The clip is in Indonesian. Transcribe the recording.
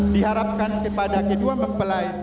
diharapkan kepada kedua mempelai